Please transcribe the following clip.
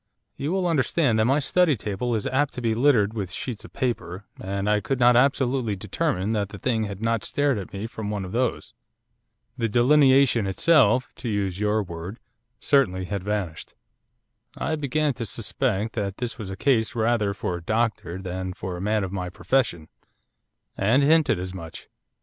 You will understand that my study table is apt to be littered with sheets of paper, and I could not absolutely determine that the thing had not stared at me from one of those. The delineation itself, to use your word, certainly had vanished.' I began to suspect that this was a case rather for a doctor than for a man of my profession. And hinted as much.